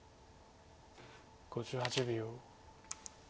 ５８秒。